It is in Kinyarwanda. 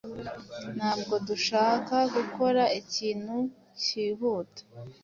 Ntabwo dushaka gukora ikintu cyihuta.